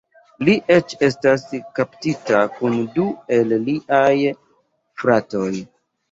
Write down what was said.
Li eĉ estas kaptita kun du el liaj fratoj.